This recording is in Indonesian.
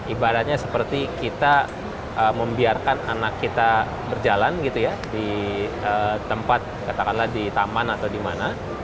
ibaratnya seperti kita membiarkan anak kita berjalan gitu ya di tempat katakanlah di taman atau di mana